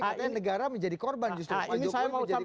katanya negara menjadi korban justru